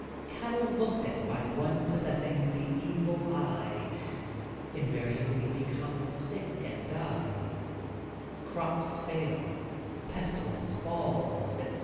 Cattle, looked at by one possessing the evil eye, invariably be come sick and die; crops fail, pestilence falls, etc.